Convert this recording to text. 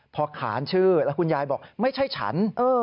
พอขานชื่อแล้วคุณยายบอกไม่ใช่ฉัน